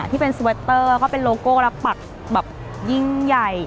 ที่เป็นสเวตเตอร์ก็เป็นโลโก้รับปักแบบยิ่งใหญ่